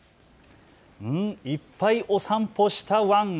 いっぱいお散歩したワン。